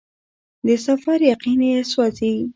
د سفر یقین یې سوزي